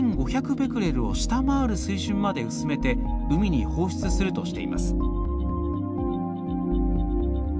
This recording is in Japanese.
ベクレルを下回る水準まで薄めて海に放出するとしています。